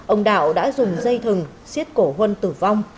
ông đạo đã dùng dây thừng xiết cổ huân tử vong